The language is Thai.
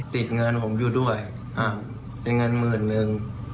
ติดเงินผมอยู่ด้วยอ้าวเป็นเงินหมื่นนึง